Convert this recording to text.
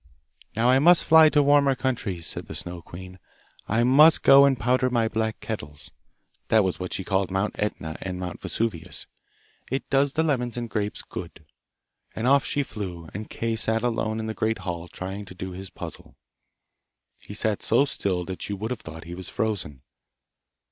'Now I must fly to warmer countries,' said the Snow queen. 'I must go and powder my black kettles!' (This was what she called Mount Etna and Mount Vesuvius.) 'It does the lemons and grapes good.' And off she flew, and Kay sat alone in the great hall trying to do his puzzle. He sat so still that you would have thought he was frozen.